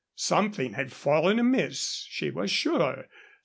Something had fallen amiss, she was sure.